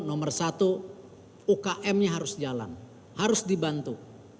nomor satu umkm nya harus jalan harus dibantu